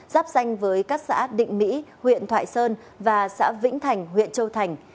giáp danh với các xã định mỹ huyện thoại sơn và xã vĩnh thành huyện châu thành